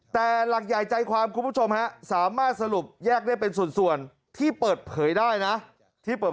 แต่หลักใหญ่ใจความคุณผู้ชมสามารถสรุปจะได้เป็นส่วนส่วนที่เปิดเผยได้